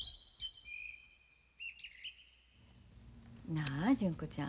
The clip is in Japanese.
なあ純子ちゃん。